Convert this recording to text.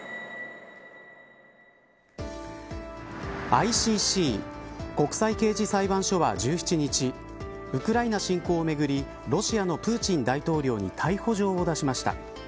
ＩＣＣ、国際刑事裁判所は１７日ウクライナ侵攻をめぐりロシアのプーチン大統領に逮捕状を出しました。